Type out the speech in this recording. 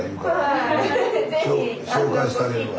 紹介してあげるわ。